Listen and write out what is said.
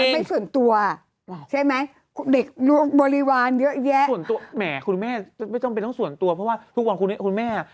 ไม่ฉันมีเงินซื้อ